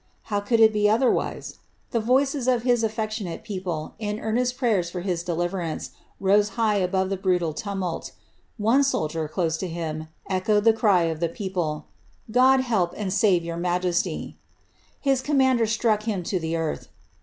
How conld it be otherwise ? The voices of his a&c te people, in earnest prayers for his deliverance, rose high above rutal tnmolt One s^dier, eloee to him, echoed the cry of the e of ^ God help and save your majesty P His commander struck lo the earth.